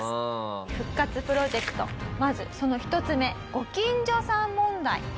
復活プロジェクトまずその１つ目ご近所さん問題。